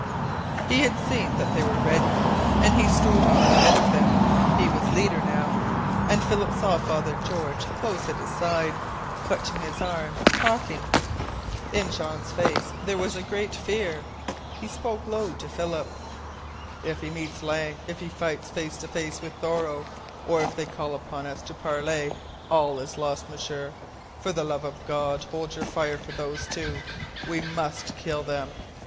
He had seen that they were ready, and he strode on ahead of them. He was leader now, and Philip saw Father George close at his side, clutching his arm, talking. In Jean's face there was a great fear. He spoke low to Philip. "If he meets Lang, if he fights face to face with Thoreau, or if they call upon us to parley, all is lost! M'sieur, for the love of God, hold your fire for those two! We must kill them.